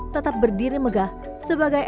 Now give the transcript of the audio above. tetap berdiri megah sebagai